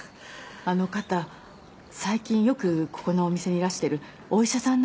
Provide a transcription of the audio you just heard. あの方最近よくここのお店にいらしてるお医者さんなんですよ。